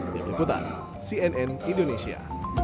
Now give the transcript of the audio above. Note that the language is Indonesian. dari putar cnn indonesia